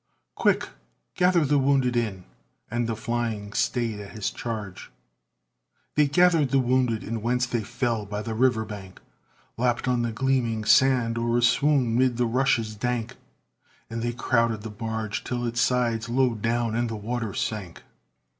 "Quick! gather the wounded in!" and the flying stayed at his charge. They gathered the wounded in whence they fell by the river bank, Lapped on the gleaming sand, or aswoon, 'mid the rushes dank; And they crowded the barge till its sides low down in the water sank.